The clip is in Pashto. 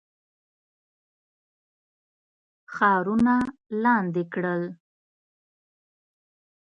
ښارونه لاندي کړل.